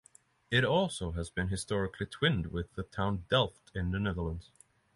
It also has been historically twinned with the town Delft in the Netherlands.